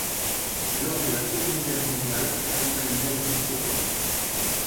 Lors de la seconde guerre mondiale, L’Allemagne Nazie s'étend.